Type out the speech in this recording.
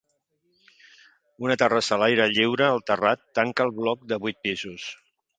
Una terrassa a l'aire lliure al terrat tanca el bloc de vuit pisos.